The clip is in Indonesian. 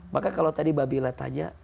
maka kalau tadi babila tanya